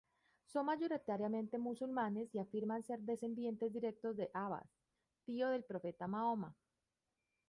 Son mayoritariamente musulmanes y afirman ser descendientes directos de Abbas, tío del profeta Mahoma.